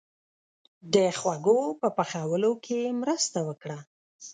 • د خوړو په پخولو کې مرسته وکړه.